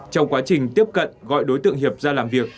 trong quá trình tiếp cận gọi đối tượng hiệp ra làm việc